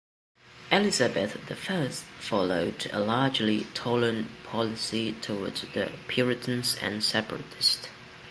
Elizabeth the First followed a largely tolerant policy toward the Puritans and Separatists.